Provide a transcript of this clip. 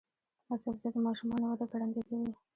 دا سبزی د ماشومانو وده ګړندۍ کوي.